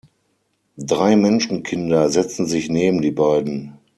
Drei Menschenkinder setzen sich neben die beiden.